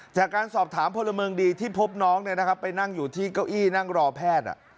จากการสอบถามพลเมืองดีที่พบน้องไปนั่งอยู่ที่เก้าอี้นั่งรอแพทย์